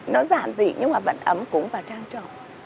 nó giản dị nhưng mà vẫn ấm cúng và trang trọng